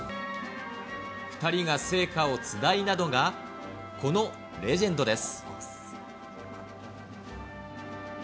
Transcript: ２人が聖火をつないだのが、このレジェンドです。